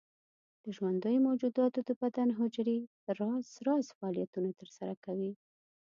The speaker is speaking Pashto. د ژوندیو موجوداتو د بدن حجرې راز راز فعالیتونه تر سره کوي.